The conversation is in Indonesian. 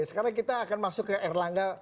sekarang kita akan masuk ke erlangga